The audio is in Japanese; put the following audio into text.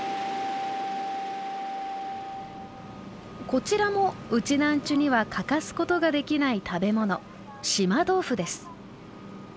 こちらもうちなーんちゅには欠かすことができない食べ物豆腐。